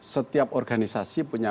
setiap organisasi punya